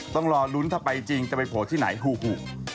ต้องรอลุ้นถ้าไปจริงจะไปโผล่ที่ไหนหู